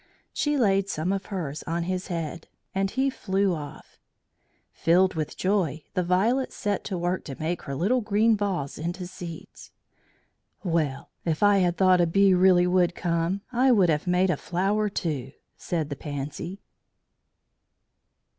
She laid some of hers on his head, and he flew off. Filled with joy, the Violet set to work to make her little green balls into seeds. "Well, if I had thought a bee really would come, I would have made a flower too," said the Pansy.